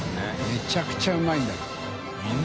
めちゃくちゃうまいんだろうな。